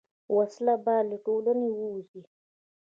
وسله باید له ټولنې ووځي